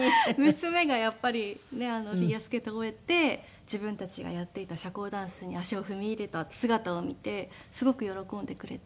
娘がやっぱりフィギュアスケートを終えて自分たちがやっていた社交ダンスに足を踏み入れた姿を見てすごく喜んでくれて。